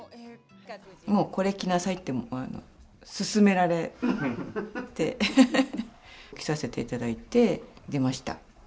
もうこれ着なさいって勧められて着させていただいて出ました。